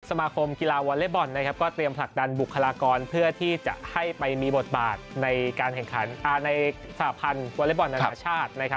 สมาคมกีฬาวอเล็กบอลก็เตรียมผลักดันบุคลากรเพื่อที่จะให้ไปมีบทบาทในการแข่งขันในสหพันธ์วอเล็กบอลนานาชาติ